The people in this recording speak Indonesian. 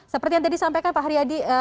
seperti yang tadi disampaikan pak hariadi